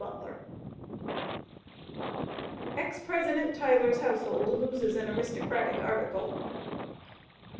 EX PRESIDENT TYLER'S HOUSEHOLD LOSES AN ARISTOCRATIC "ARTICLE."